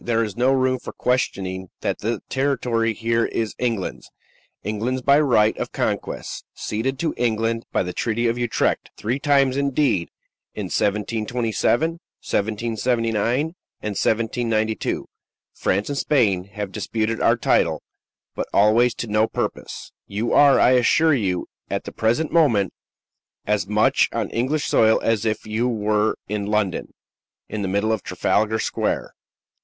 There is no room for questioning that the territory here is England's England's by right of conquest; ceded to England by the Treaty of Utrecht. Three times, indeed in 1727, 1779, and 1792 France and Spain have disputed our title, but always to no purpose. You are, I assure you, at the present moment, as much on English soil as if you were in London, in the middle of Trafalgar Square."